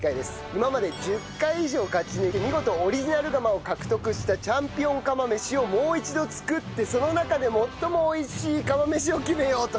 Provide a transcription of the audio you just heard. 今まで１０回以上勝ち抜いて見事オリジナル釜を獲得したチャンピオン釜飯をもう一度作ってその中で最も美味しい釜飯を決めようという。